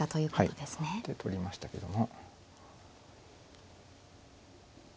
で取りましたけども。